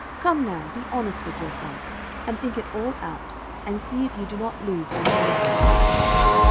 "Come, now, be honest with yourself, and think it all out and see if you do not lose by grumbling."